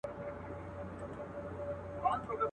چی تل پایی باک یې نسته له ژوندونه.